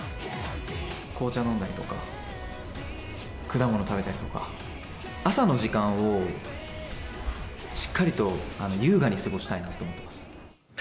紅茶飲んだりとか、果物食べたりとか、朝の時間をしっかりと、優雅に過ごしたいなと思います。